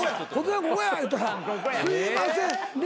ここや言ったらすいません寝